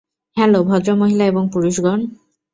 Hello, ভদ্রমহিলা এবং পুরুষগণ!